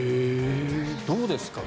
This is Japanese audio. どうですか？